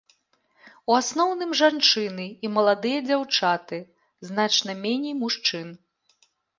У асноўным жанчыны і маладыя дзяўчаты, значна меней мужчын.